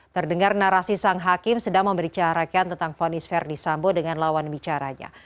terdengar narasi sang hakim sedang membicarakan tentang fonis verdi sambo dengan lawan bicaranya